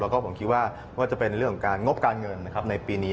แล้วก็ผมคิดว่าว่าจะเป็นเรื่องของการงบการเงินนะครับในปีนี้